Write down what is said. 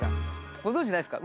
ご存じないですか？